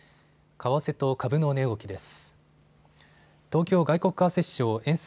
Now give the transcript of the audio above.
為替と株の値動きです。